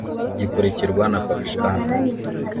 gikurikirwa na Pakistan